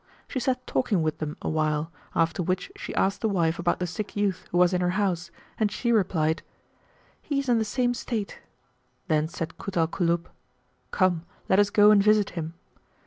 She sat talking with them awhile, after which she asked the wife about the sick youth who was in her house and she replied, "He is in the same state." Then said Kut al Kulub, "Come, let us go and visit him."